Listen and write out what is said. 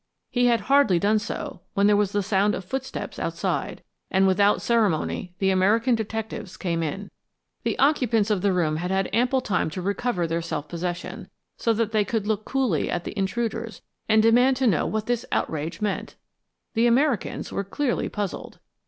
He had hardly done so when there was a sound of footsteps outside, and without ceremony the American detectives came in. The occupants of the room had had ample time to recover their self possession, so that they could look coolly at the intruders and demand to know what this outrage meant. The Americans were clearly puzzled.